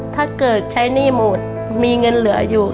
ถ้าเกิดใช้หนี้หมดมีเงินเหลืออยู่